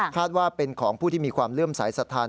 ว่าเป็นของผู้ที่มีความเลื่อมสายศรัทธา